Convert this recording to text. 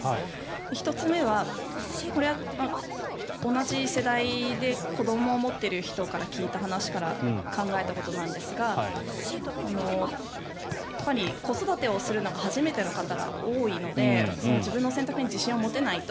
１つ目は、これは同じ世代で子どもを持っている人から聞いた話から考えたことなんですが子育てをするのが初めての方が多いので自分の選択に自信を持てないと。